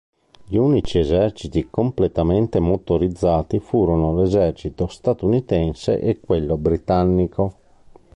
Gli unici eserciti completamente "motorizzati" furono l'esercito statunitense e quello britannico.